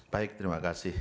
baik terima kasih